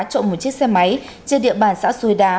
trộn một chiếc xe máy trên địa bàn xã xuôi đá